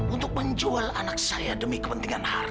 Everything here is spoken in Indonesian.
untuk menjual anak saya demi kepentingan hari